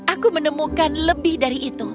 aku menemukan lebih dari itu